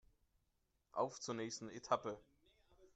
Auf zur nächsten Etappe